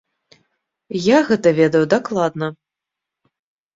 Я гэта ведаю дакладна.